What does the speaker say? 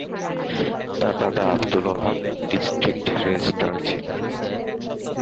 তার দাদা Abdul Wahab district registrar ছিলেন।